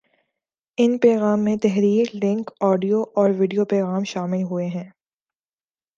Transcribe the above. ان پیغام میں تحریر ، لنک ، آڈیو اور ویڈیو پیغام شامل ہو ہیں